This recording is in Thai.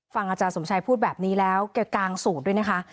ฟังอาจารย์สมชัยพูดแบบนี้แล้วเกี่ยวกับกลางสูตรด้วยนะคะ